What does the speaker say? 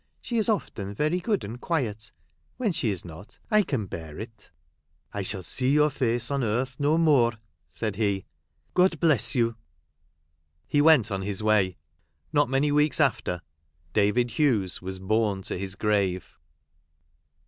" She is often very good and quiet. When she is not, I can bear it." "I shall see your face on earth no more ;" said he. " God bless you !" He went on his way. Not many weeks after, David Hughes was borne to his grave.